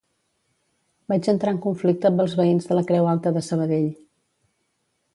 Vaig entrar en conflicte amb els veïns de la Creu Alta de Sabadell